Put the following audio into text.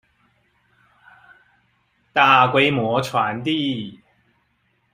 大規模傳遞